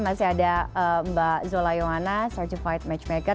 masih ada mba zola ioana certified matchmaker